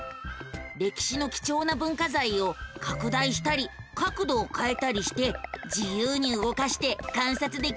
歴史の貴重な文化財を拡大したり角度をかえたりして自由に動かして観察できるのさ。